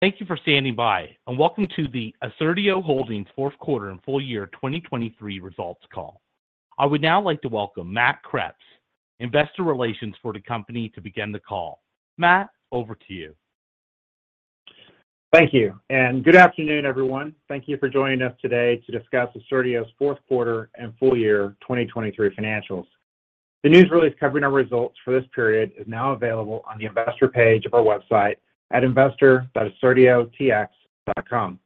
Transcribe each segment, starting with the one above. Thank you for standing by, and welcome to the Assertio Holdings fourth quarter and full year 2023 results call. I would now like to welcome Matt Kreps, Investor Relations for the company, to begin the call. Matt, over to you. Thank you, and good afternoon, everyone. Thank you for joining us today to discuss Assertio's fourth quarter and full year 2023 financials. The news release covering our results for this period is now available on the investor page of our website at investor.assertiotx.com.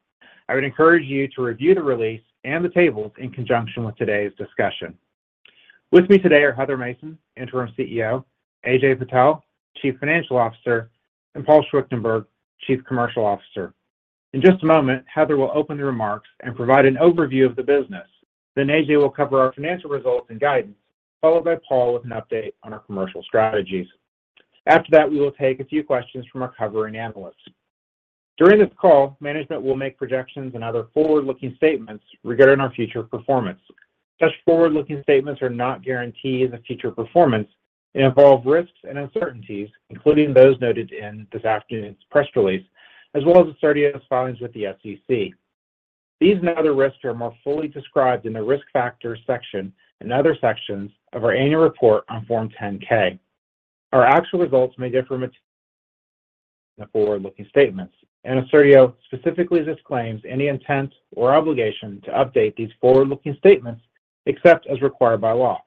I would encourage you to review the release and the tables in conjunction with today's discussion. With me today are Heather Mason, Interim CEO; Ajay Patel, Chief Financial Officer; and Paul Schwichtenberg, Chief Commercial Officer. In just a moment, Heather will open the remarks and provide an overview of the business, then Ajay will cover our financial results and guidance, followed by Paul with an update on our commercial strategies. After that, we will take a few questions from our covering analysts. During this call, management will make projections and other forward-looking statements regarding our future performance. Such forward-looking statements are not guarantees of future performance and involve risks and uncertainties, including those noted in this afternoon's press release, as well as Assertio's filings with the SEC. These and other risks are more fully described in the risk factors section and other sections of our annual report on Form 10-K. Our actual results may differ from the forward-looking statements, and Assertio specifically disclaims any intent or obligation to update these forward-looking statements except as required by law.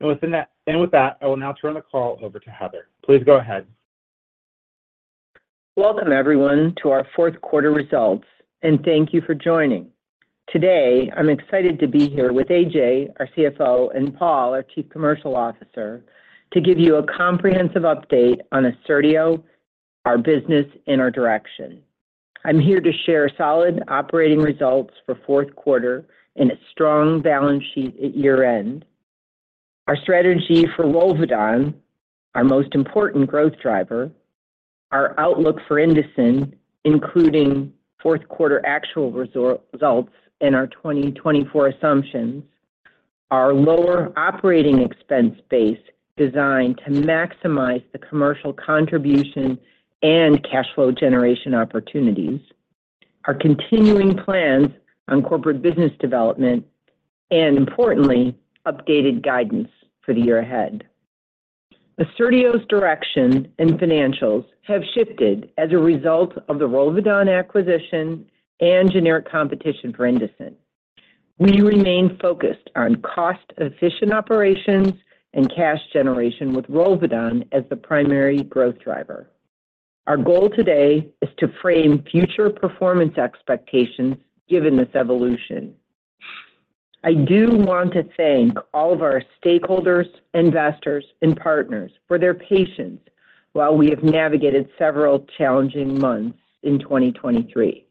With that, I will now turn the call over to Heather. Please go ahead. Welcome, everyone, to our fourth quarter results, and thank you for joining. Today, I'm excited to be here with Ajay, our CFO, and Paul, our Chief Commercial Officer, to give you a comprehensive update on Assertio, our business, and our direction. I'm here to share solid operating results for fourth quarter and a strong balance sheet at year-end. Our strategy for Rolvedon, our most important growth driver, our outlook for Indocin, including fourth quarter actual results and our 2024 assumptions, our lower operating expense base designed to maximize the commercial contribution and cash flow generation opportunities, our continuing plans on corporate business development, and importantly, updated guidance for the year ahead. Assertio's direction and financials have shifted as a result of the Rolvedon acquisition and generic competition for Indocin. We remain focused on cost-efficient operations and cash generation with Rolvedon as the primary growth driver. Our goal today is to frame future performance expectations given this evolution. I do want to thank all of our stakeholders, investors, and partners for their patience while we have navigated several challenging months in 2023.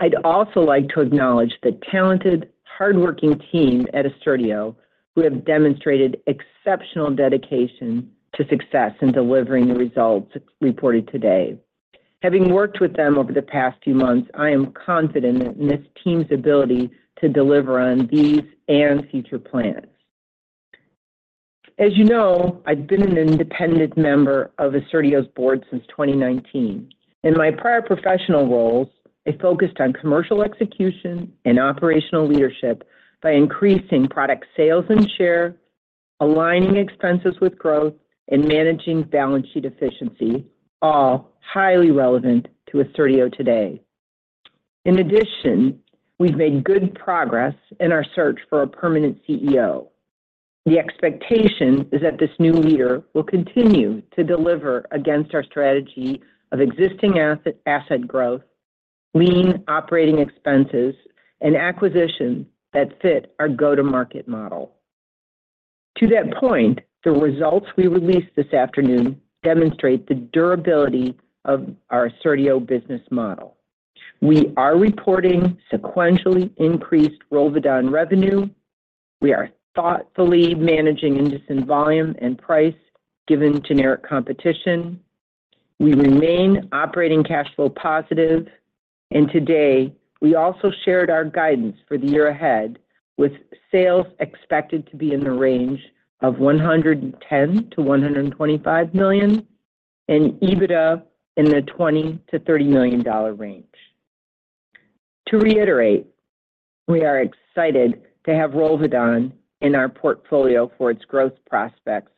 I'd also like to acknowledge the talented, hardworking team at Assertio who have demonstrated exceptional dedication to success in delivering the results reported today. Having worked with them over the past few months, I am confident in this team's ability to deliver on these and future plans. As you know, I've been an independent member of Assertio's board since 2019. In my prior professional roles, I focused on commercial execution and operational leadership by increasing product sales and share, aligning expenses with growth, and managing balance sheet efficiency, all highly relevant to Assertio today. In addition, we've made good progress in our search for a permanent CEO. The expectation is that this new leader will continue to deliver against our strategy of existing asset growth, lean operating expenses, and acquisitions that fit our go-to-market model. To that point, the results we released this afternoon demonstrate the durability of our Assertio business model. We are reporting sequentially increased Rolvedon revenue. We are thoughtfully managing Indocin volume and price given generic competition. We remain operating cash flow positive. Today, we also shared our guidance for the year ahead with sales expected to be in the range of $110-$125 million and EBITDA in the $20-$30 million range. To reiterate, we are excited to have Rolvedon in our portfolio for its growth prospects,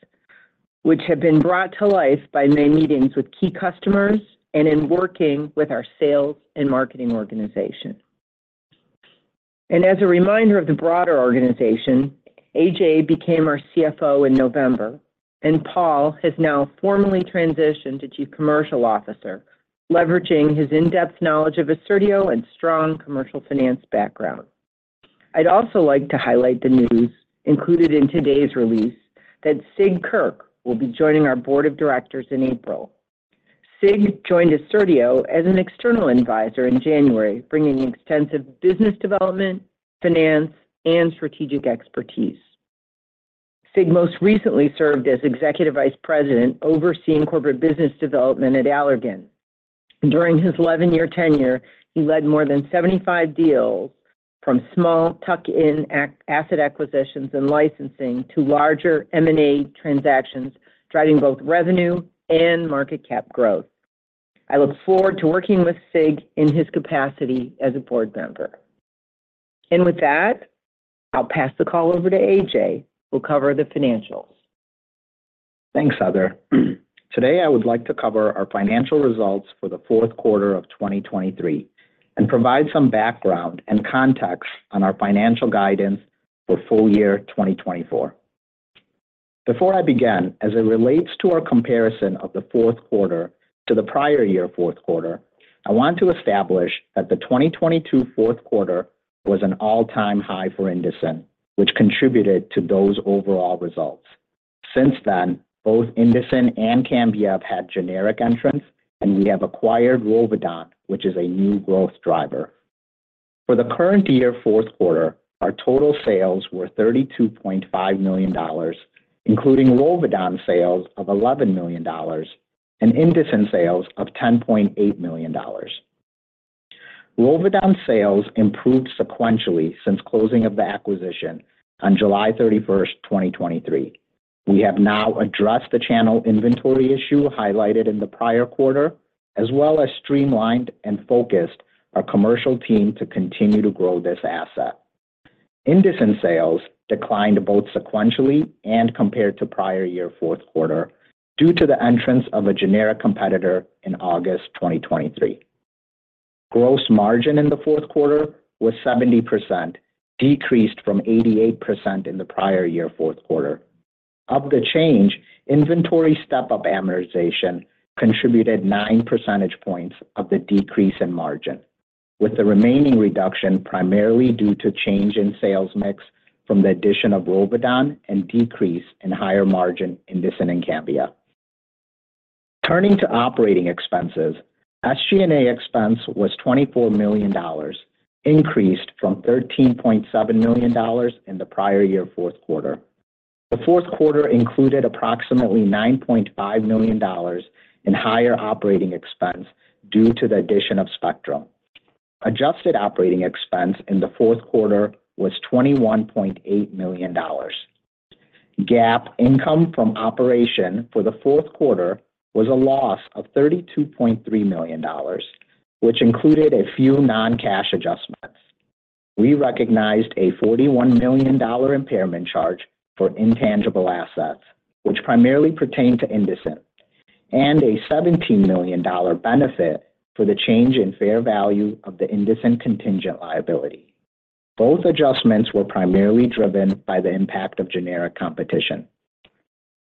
which have been brought to life by many meetings with key customers and in working with our sales and marketing organization. As a reminder of the broader organization, Ajay became our CFO in November, and Paul has now formally transitioned to Chief Commercial Officer, leveraging his in-depth knowledge of Assertio and strong commercial finance background. I'd also like to highlight the news included in today's release that Sig Kirk will be joining our board of directors in April. Sig joined Assertio as an external advisor in January, bringing extensive business development, finance, and strategic expertise. Sig most recently served as Executive Vice President overseeing corporate business development at Allergan. During his 11-year tenure, he led more than 75 deals, from small tuck-in asset acquisitions and licensing to larger M&A transactions, driving both revenue and market cap growth. I look forward to working with Sig in his capacity as a board member. With that, I'll pass the call over to Ajay, who'll cover the financials. Thanks, Heather. Today, I would like to cover our financial results for the fourth quarter of 2023 and provide some background and context on our financial guidance for full year 2024. Before I begin, as it relates to our comparison of the fourth quarter to the prior year fourth quarter, I want to establish that the 2022 fourth quarter was an all-time high for Indocin, which contributed to those overall results. Since then, both Indocin and Cambia have had generic entrance, and we have acquired Rolvedon, which is a new growth driver. For the current year fourth quarter, our total sales were $32.5 million, including Rolvedon sales of $11 million and Indocin sales of $10.8 million. Rolvedon sales improved sequentially since closing of the acquisition on July 31st, 2023. We have now addressed the channel inventory issue highlighted in the prior quarter, as well as streamlined and focused our commercial team to continue to grow this asset. Indocin sales declined both sequentially and compared to prior year fourth quarter due to the entrance of a generic competitor in August 2023. Gross margin in the fourth quarter was 70%, decreased from 88% in the prior year fourth quarter. Of the change, inventory step-up amortization contributed nine percentage points of the decrease in margin, with the remaining reduction primarily due to change in sales mix from the addition of Rolvedon and decrease in higher margin Indocin and Cambia. Turning to operating expenses, SG&A expense was $24 million, increased from $13.7 million in the prior year fourth quarter. The fourth quarter included approximately $9.5 million in higher operating expense due to the addition of Spectrum. Adjusted operating expense in the fourth quarter was $21.8 million. GAAP income from operations for the fourth quarter was a loss of $32.3 million, which included a few non-cash adjustments. We recognized a $41 million impairment charge for intangible assets, which primarily pertained to Indocin, and a $17 million benefit for the change in fair value of the Indocin contingent liability. Both adjustments were primarily driven by the impact of generic competition.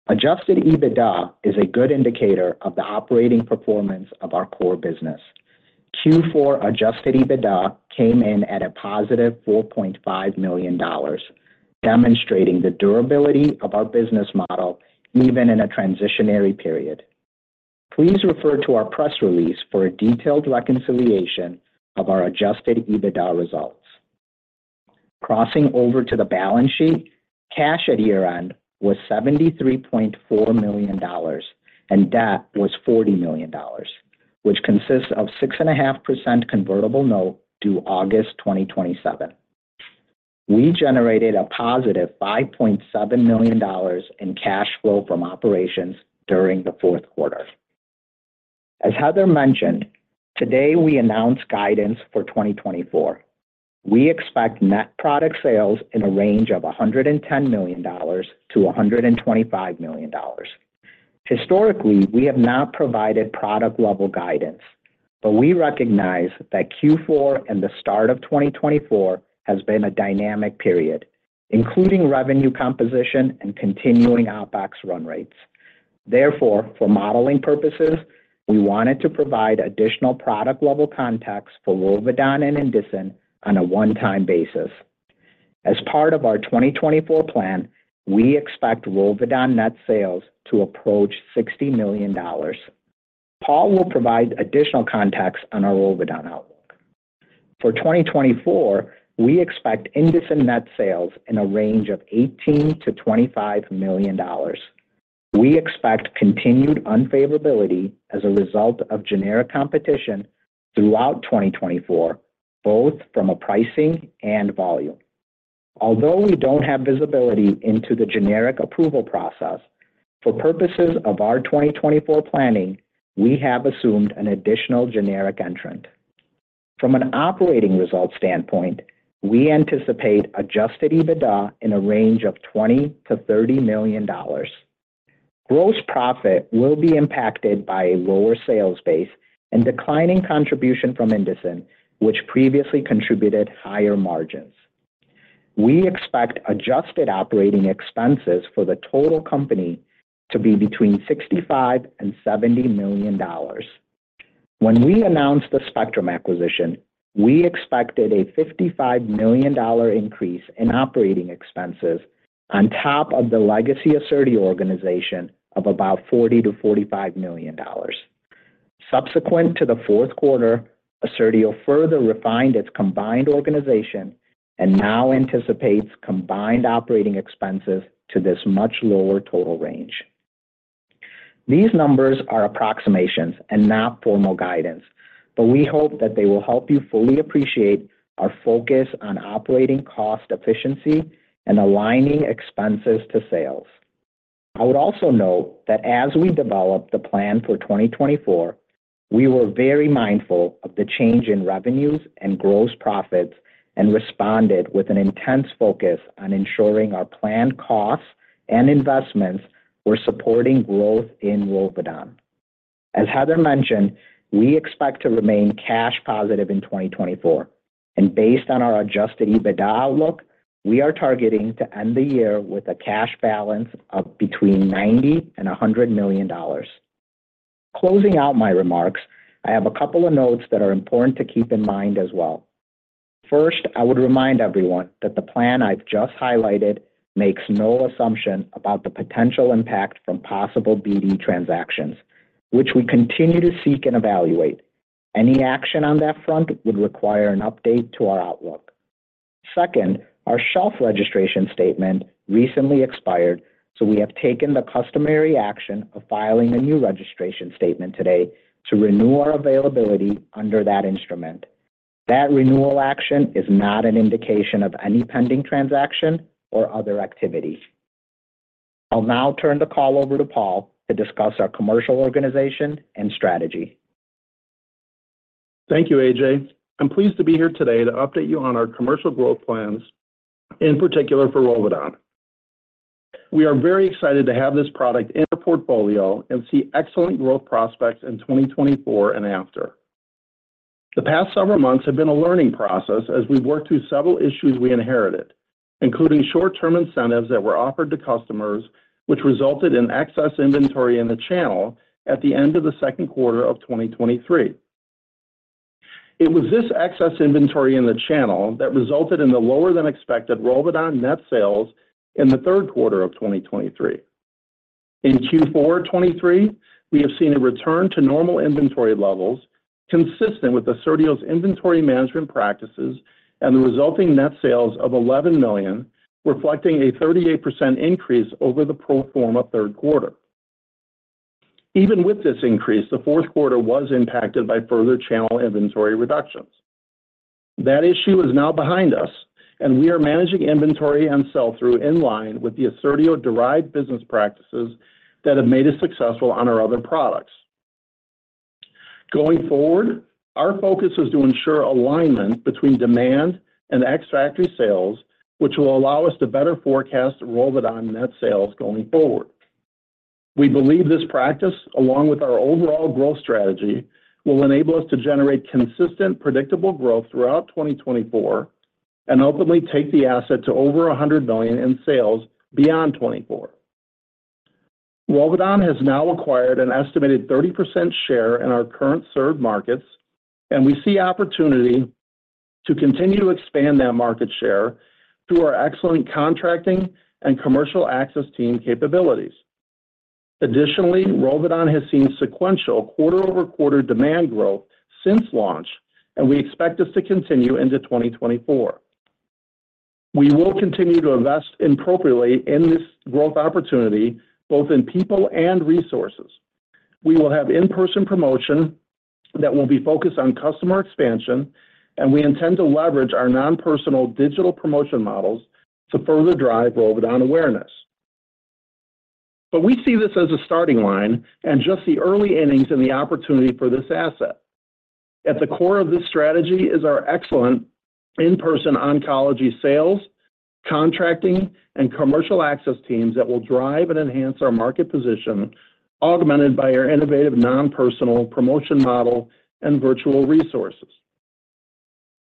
Adjusted EBITDA is a good indicator of the operating performance of our core business. Q4 adjusted EBITDA came in at a positive $4.5 million, demonstrating the durability of our business model even in a transitionary period. Please refer to our press release for a detailed reconciliation of our adjusted EBITDA results. Crossing over to the balance sheet, cash at year-end was $73.4 million and debt was $40 million, which consists of 6.5% convertible note due August 2027. We generated a positive $5.7 million in cash flow from operations during the fourth quarter. As Heather mentioned, today we announce guidance for 2024. We expect net product sales in a range of $110 million-$125 million. Historically, we have not provided product-level guidance, but we recognize that Q4 and the start of 2024 has been a dynamic period, including revenue composition and continuing OpEx run rates. Therefore, for modeling purposes, we wanted to provide additional product-level context for Rolvedon and Indocin on a one-time basis. As part of our 2024 plan, we expect Rolvedon net sales to approach $60 million. Paul will provide additional context on our Rolvedon outlook. For 2024, we expect Indocin net sales in a range of $18 million-$25 million. We expect continued unfavorability as a result of generic competition throughout 2024, both from a pricing and volume. Although we don't have visibility into the generic approval process, for purposes of our 2024 planning, we have assumed an additional generic entrant. From an operating results standpoint, we anticipate Adjusted EBITDA in a range of $20-$30 million. Gross profit will be impacted by a lower sales base and declining contribution from Indocin, which previously contributed higher margins. We expect adjusted operating expenses for the total company to be between $65 and $70 million. When we announced the Spectrum acquisition, we expected a $55 million increase in operating expenses on top of the legacy Assertio organization of about $40-$45 million. Subsequent to the fourth quarter, Assertio further refined its combined organization and now anticipates combined operating expenses to this much lower total range. These numbers are approximations and not formal guidance, but we hope that they will help you fully appreciate our focus on operating cost efficiency and aligning expenses to sales. I would also note that as we developed the plan for 2024, we were very mindful of the change in revenues and gross profits and responded with an intense focus on ensuring our planned costs and investments were supporting growth in Rolvedon. As Heather mentioned, we expect to remain cash positive in 2024. And based on our Adjusted EBITDA outlook, we are targeting to end the year with a cash balance of between $90-$100 million. Closing out my remarks, I have a couple of notes that are important to keep in mind as well. First, I would remind everyone that the plan I've just highlighted makes no assumption about the potential impact from possible BD transactions, which we continue to seek and evaluate. Any action on that front would require an update to our outlook. Second, our Shelf Registration Statement recently expired, so we have taken the customary action of filing a new registration statement today to renew our availability under that instrument. That renewal action is not an indication of any pending transaction or other activity. I'll now turn the call over to Paul to discuss our commercial organization and strategy. Thank you, Ajay. I'm pleased to be here today to update you on our commercial growth plans, in particular for Rolvedon. We are very excited to have this product in our portfolio and see excellent growth prospects in 2024 and after. The past several months have been a learning process as we've worked through several issues we inherited, including short-term incentives that were offered to customers, which resulted in excess inventory in the channel at the end of the second quarter of 2023. It was this excess inventory in the channel that resulted in the lower-than-expected Rolvedon net sales in the third quarter of 2023. In Q4 2023, we have seen a return to normal inventory levels consistent with Assertio's inventory management practices and the resulting net sales of $11 million, reflecting a 38% increase over the pro forma third quarter. Even with this increase, the fourth quarter was impacted by further channel inventory reductions. That issue is now behind us, and we are managing inventory and sell-through in line with the Assertio-derived business practices that have made us successful on our other products. Going forward, our focus is to ensure alignment between demand and ex-factory sales, which will allow us to better forecast Rolvedon net sales going forward. We believe this practice, along with our overall growth strategy, will enable us to generate consistent, predictable growth throughout 2024 and ultimately take the asset to over $100 million in sales beyond 2024. Rolvedon has now acquired an estimated 30% share in our current served markets, and we see opportunity to continue to expand that market share through our excellent contracting and commercial access team capabilities. Additionally, Rolvedon has seen sequential quarter-over-quarter demand growth since launch, and we expect this to continue into 2024. We will continue to invest appropriately in this growth opportunity, both in people and resources. We will have in-person promotion that will be focused on customer expansion, and we intend to leverage our non-personal digital promotion models to further drive Rolvedon awareness. But we see this as a starting line and just the early innings and the opportunity for this asset. At the core of this strategy is our excellent in-person oncology sales, contracting, and commercial access teams that will drive and enhance our market position, augmented by our innovative non-personal promotion model and virtual resources.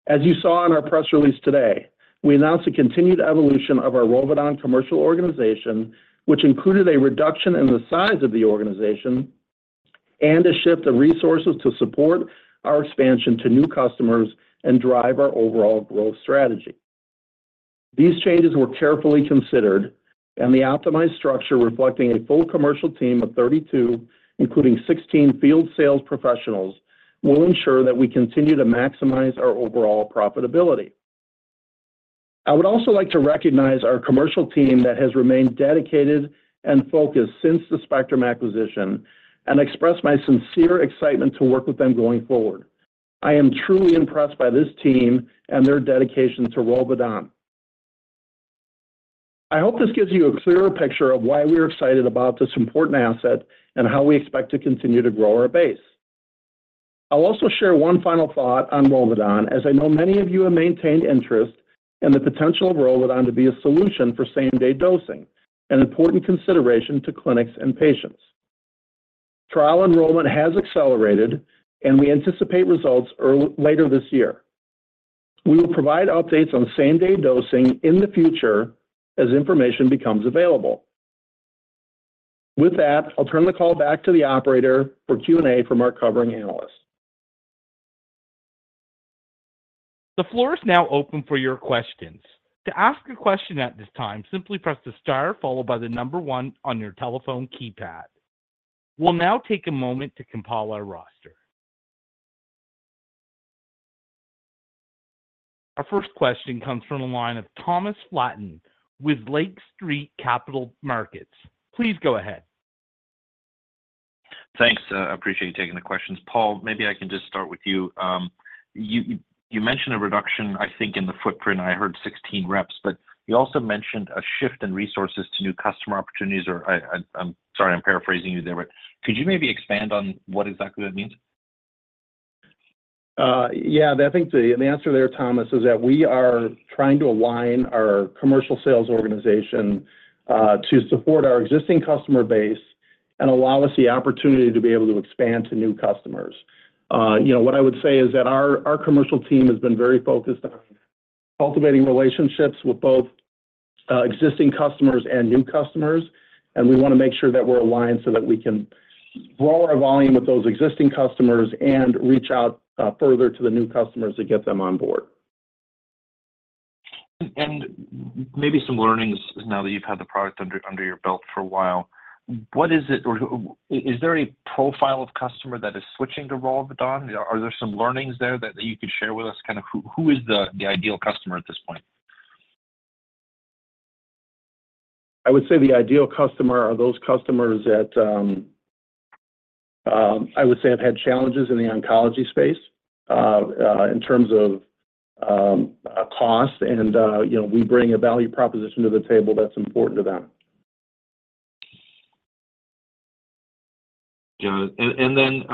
As you saw in our press release today, we announced a continued evolution of our Rolvedon commercial organization, which included a reduction in the size of the organization and a shift of resources to support our expansion to new customers and drive our overall growth strategy. These changes were carefully considered, and the optimized structure reflecting a full commercial team of 32, including 16 field sales professionals, will ensure that we continue to maximize our overall profitability. I would also like to recognize our commercial team that has remained dedicated and focused since the Spectrum acquisition and express my sincere excitement to work with them going forward. I am truly impressed by this team and their dedication to Rolvedon. I hope this gives you a clearer picture of why we are excited about this important asset and how we expect to continue to grow our base. I'll also share one final thought on Rolvedon, as I know many of you have maintained interest in the potential of Rolvedon to be a solution for same-day dosing, an important consideration to clinics and patients. Trial enrollment has accelerated, and we anticipate results later this year. We will provide updates on same-day dosing in the future as information becomes available. With that, I'll turn the call back to the operator for Q&A from our covering analyst. The floor is now open for your questions. To ask a question at this time, simply press the star followed by the number one on your telephone keypad. We'll now take a moment to compile our roster. Our first question comes from a line of Thomas Flaten with Lake Street Capital Markets. Please go ahead. Thanks. I appreciate you taking the questions. Paul, maybe I can just start with you. You mentioned a reduction, I think, in the footprint. I heard 16 reps, but you also mentioned a shift in resources to new customer opportunities. I'm sorry, I'm paraphrasing you there, but could you maybe expand on what exactly that means? Yeah. I think the answer there, Thomas, is that we are trying to align our commercial sales organization to support our existing customer base and allow us the opportunity to be able to expand to new customers. What I would say is that our commercial team has been very focused on cultivating relationships with both existing customers and new customers, and we want to make sure that we're aligned so that we can grow our volume with those existing customers and reach out further to the new customers to get them on board. Maybe some learnings now that you've had the product under your belt for a while. What is it, or is there a profile of customer that is switching to Rolvedon? Are there some learnings there that you could share with us? Kind of who is the ideal customer at this point? I would say the ideal customer are those customers that I would say have had challenges in the oncology space in terms of cost, and we bring a value proposition to the table that's important to them. And then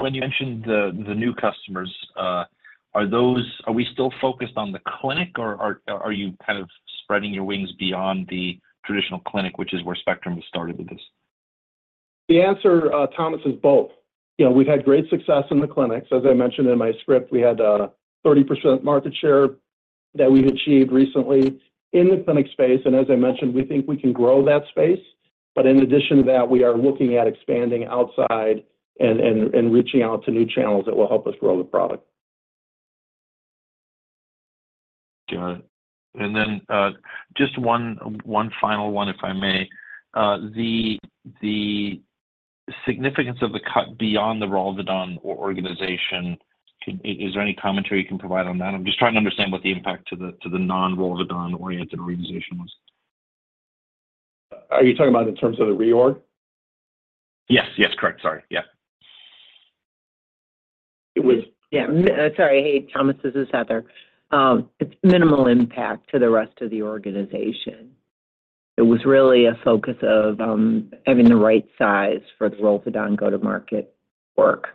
when you mentioned the new customers, are we still focused on the clinic, or are you kind of spreading your wings beyond the traditional clinic, which is where Spectrum started with this? The answer, Thomas, is both. We've had great success in the clinics. As I mentioned in my script, we had a 30% market share that we've achieved recently in the clinic space. And as I mentioned, we think we can grow that space. But in addition to that, we are looking at expanding outside and reaching out to new channels that will help us grow the product. Got it. And then just one final one, if I may. The significance of the cut beyond the Rolvedon organization, is there any commentary you can provide on that? I'm just trying to understand what the impact to the non-Rolvedon-oriented organization was. Are you talking about in terms of the reorg? Yes. Yes. Correct. Sorry. Yeah. Yeah. Sorry. Hey, Thomas. This is Heather. It's minimal impact to the rest of the organization. It was really a focus of having the right size for the Rolvedon go-to-market work.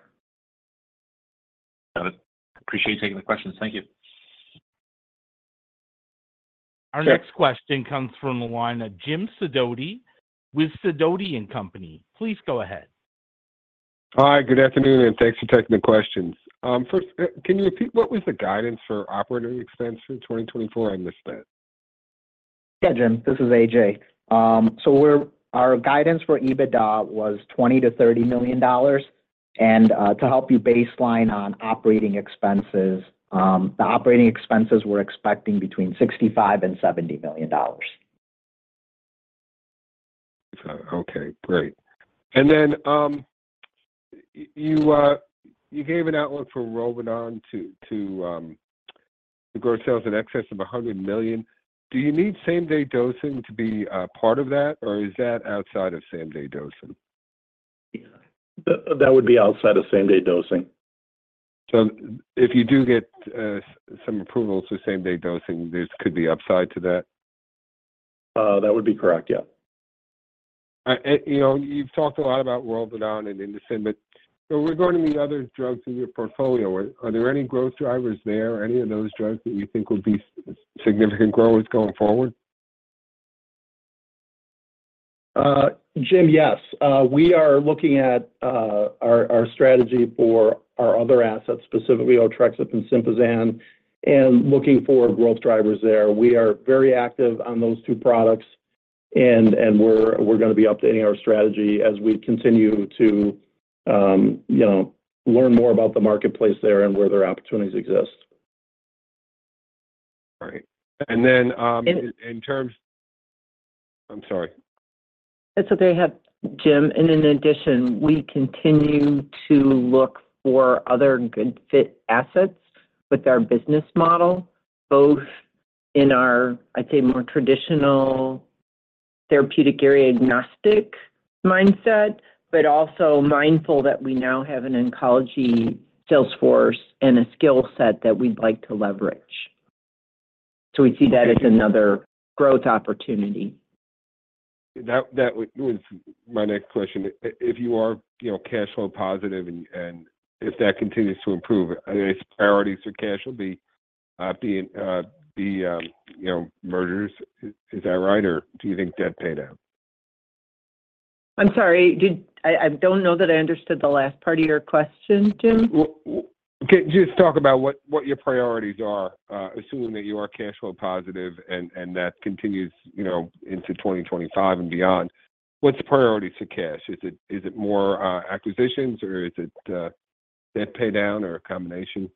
Got it. Appreciate you taking the questions. Thank you. Our next question comes from the line of Jim Sidoti with Sidoti & Company. Please go ahead. Hi. Good afternoon, and thanks for taking the questions. First, can you repeat what was the guidance for operating expense for 2024? I missed that. Yeah, Jim. This is Ajay. Our guidance for EBITDA was $20-$30 million. To help you baseline on operating expenses, the operating expenses we're expecting between $65 and $70 million. Okay. Great. And then you gave an outlook for Rolvedon to grow sales in excess of $100 million. Do you need same-day dosing to be part of that, or is that outside of same-day dosing? That would be outside of same-day dosing. If you do get some approvals for same-day dosing, this could be upside to that? That would be correct. Yeah. You've talked a lot about Rolvedon and Indocin, but we're going to the other drugs in your portfolio. Are there any growth drivers there, any of those drugs that you think would be significant growers going forward? Jim, yes. We are looking at our strategy for our other assets, specifically Otrexup and Sympazan, and looking for growth drivers there. We are very active on those two products, and we're going to be updating our strategy as we continue to learn more about the marketplace there and where their opportunities exist. All right. And then, in terms, I'm sorry. That's okay. Hi, Jim. In addition, we continue to look for other good-fit assets with our business model, both in our, I'd say, more traditional therapeutic area agnostic mindset, but also mindful that we now have an oncology salesforce and a skill set that we'd like to leverage. So we see that as another growth opportunity. That was my next question. If you are cash flow positive and if that continues to improve, I guess priorities for cash will be the mergers. Is that right, or do you think debt paid out? I'm sorry. I don't know that I understood the last part of your question, Jim. Okay. Just talk about what your priorities are. Assuming that you are cash flow positive and that continues into 2025 and beyond, what's the priorities for cash? Is it more acquisitions, or is it debt paydown, or a combination?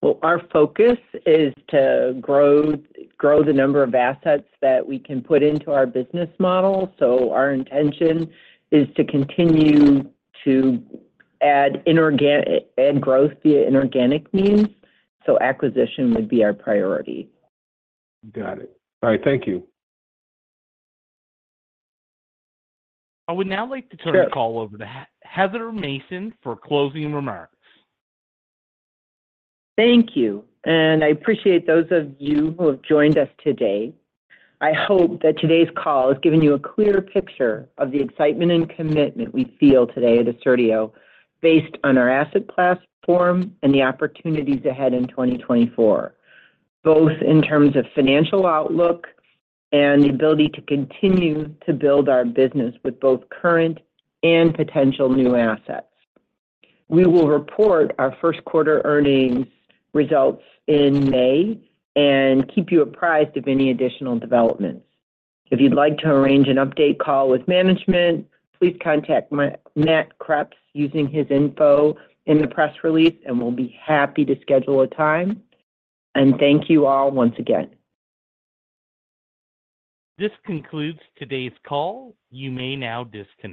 Well, our focus is to grow the number of assets that we can put into our business model. So our intention is to continue to add growth via inorganic means. So acquisition would be our priority. Got it. All right. Thank you. I would now like to turn the call over to Heather Mason for closing remarks. Thank you. I appreciate those of you who have joined us today. I hope that today's call has given you a clear picture of the excitement and commitment we feel today at Assertio based on our asset platform and the opportunities ahead in 2024, both in terms of financial outlook and the ability to continue to build our business with both current and potential new assets. We will report our first quarter earnings results in May and keep you apprised of any additional developments. If you'd like to arrange an update call with management, please contact Matt Kreps using his info in the press release, and we'll be happy to schedule a time. Thank you all once again. This concludes today's call. You may now disconnect.